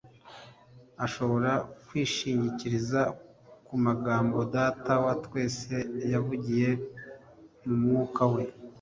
ashobora kwishingikiriza ku magambo Data wa twese yavugiye mu mwuka we